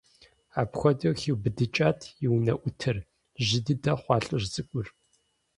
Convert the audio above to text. Апхуэдэу хиубыдыкӀат и унэӀутыр - жьы дыдэ хъуа лӀыжь цӀыкӀур.